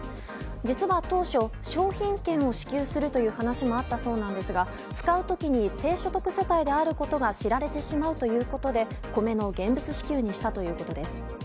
実は当初、商品券を支給するという話もあったそうですが使う時に低所得世帯であることが知られてしまうということで米の現物支給にしたということです。